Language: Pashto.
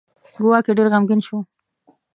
ګواکې ډېر غمګین شو.